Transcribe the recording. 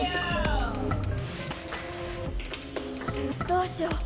どうしよう？